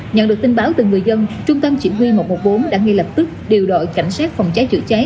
nhận được tin báo từ người dân trung tâm chỉ huy một trăm một mươi bốn đã ngay lập tức điều đội cảnh sát phòng cháy chữa cháy